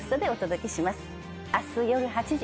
明日夜８時。